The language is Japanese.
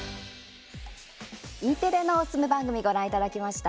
Ｅテレのおすすめ番組ご覧いただきました。